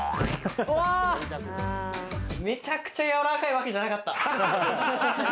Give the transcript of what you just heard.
めちゃくちゃやわらかいわけじゃなかった。